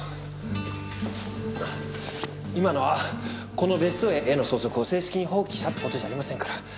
今のはこの別荘や絵の相続を正式に放棄したって事じゃありませんから。